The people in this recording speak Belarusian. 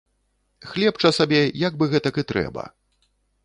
Хлебча сабе, як бы гэтак і трэба.